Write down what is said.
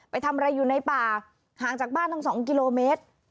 ไปทำอะไรอยู่ในป่าห่างจากบ้านทั้ง๒กิโลเมตร